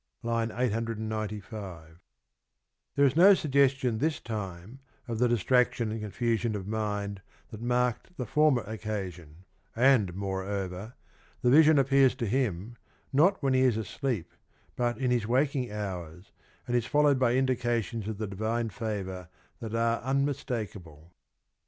(I. 895) There is no suggestion this time of the distraction and confusion of mind that marked the former occasion, and" moreover, the vision appears to him, not when he is asleep, but in his waking hours, and is followed by indications of the divine favour that are unmistakable.